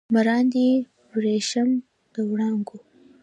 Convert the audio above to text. مراندې وریښم د وړانګو